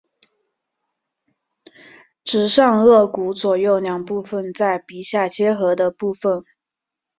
指上腭骨左右两部份在鼻下接合的部份。